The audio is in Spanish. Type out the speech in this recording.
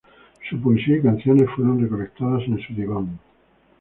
Su poesía y canciones fueron recolectadas en su "Diván".